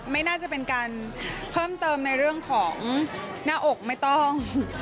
ไม่น่าจะเป็นการเพิ่มเติมในเรื่องของหน้าอกไม่ต้อง